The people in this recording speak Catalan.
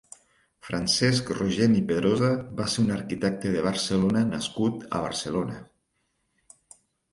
Francesc Rogent i Pedrosa va ser un arquitecte de Barcelona nascut a Barcelona.